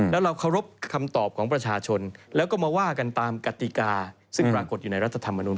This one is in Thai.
แล้วเราเคารพคำตอบของประชาชนแล้วก็มาว่ากันตามกติกาซึ่งปรากฏอยู่ในรัฐธรรมนุน